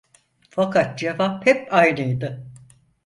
Fakat cevap hep aynıydı.